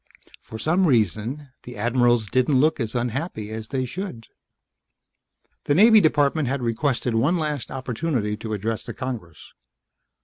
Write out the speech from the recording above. For some reason the admirals didn't look as unhappy as they should. The Naval Department had requested one last opportunity to address the Congress.